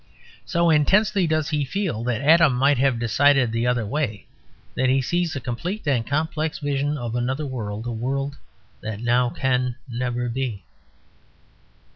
So intensely does he feel that Adam might have decided the other way that he sees a complete and complex vision of another world, a world that now can never be.